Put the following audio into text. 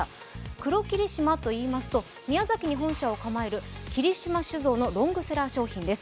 黒霧島といいますと宮崎に本社を構える霧島酒造のロングセラー商品です。